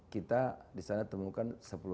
kita di sana temukan